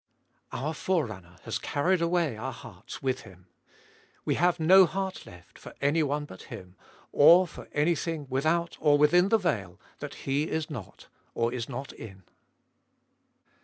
2. " Our Forerunner has carried away our hearts with Him. We have no heart left for any one but Him, or for anything without or within the veil that He is not, or is not in."